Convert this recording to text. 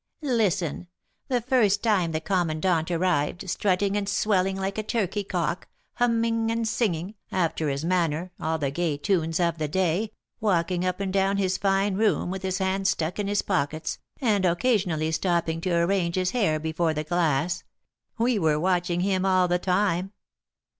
"Listen. The first time the commandant arrived, strutting and swelling like a turkey cock, humming and singing, after his manner, all the gay tunes of the day, walking up and down his fine room with his hands stuck in his pockets, and occasionally stopping to arrange his hair before the glass, we were watching him all the time.